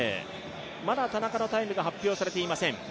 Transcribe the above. まだ田中のタイムが発表されていません。